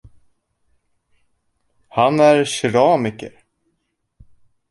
Han är keramiker.